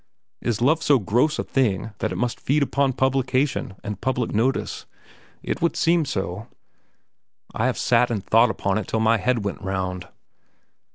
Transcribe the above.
Is love so gross a thing that it must feed upon publication and public notice? It would seem so. I have sat and thought upon it till my head went around."